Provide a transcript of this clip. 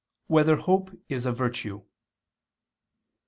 1] Whether Hope Is a Virtue?